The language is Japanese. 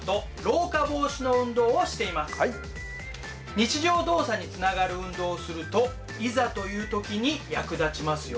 日常動作につながる運動をするといざという時に役立ちますよ。